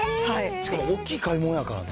しかも大きい買い物やからね。